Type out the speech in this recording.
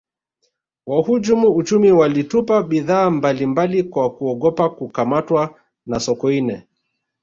wahujumu uchumi walitupa bidhaa mbali mbali kwa kuogopa kukamatwa na sokoine